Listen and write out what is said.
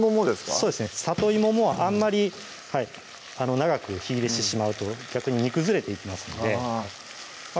そうですねさといももあんまり長く火入れしてしまうと逆に煮崩れていきますのであ